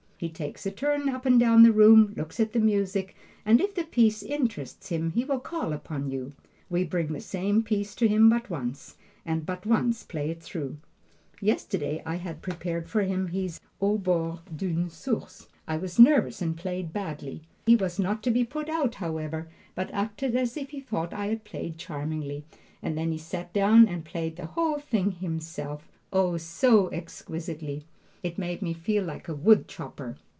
He takes a turn up and down the room, looks at the music, and if the piece interests him he will call upon you. We bring the same piece to him but once, and but once play it through. Yesterday I had prepared for him his "Au Bord d'une Source." I was nervous and played badly. He was not to be put out, however, but acted as if he thought I had played charmingly, and then he sat down and played the whole thing himself, oh, so exquisitely! It made me feel like a wood chopper.